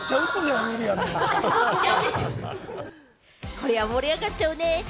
これは盛り上がっちゃうね。